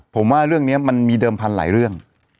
ผมว่าเรื่องนี้มันมีเดิมพันธุ์หลายเรื่อง